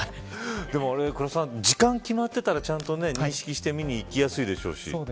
でもあれ倉田さん時間、決まっていたらちゃんと認識して見に行きやすいでしょうし。